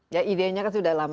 ya idenya kan sudah lama